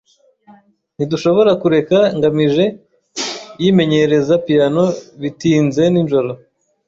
Ntidushobora kureka ngamije yimenyereza piyano bitinze nijoro.